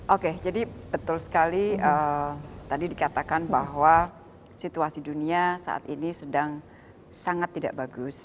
oke jadi betul sekali tadi dikatakan bahwa situasi dunia saat ini sedang sangat tidak bagus